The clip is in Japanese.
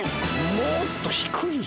もっと低いよ。